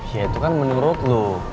ya itu kan menurut loh